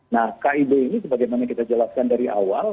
nah kib ini sebagaimana kita jelaskan dari awal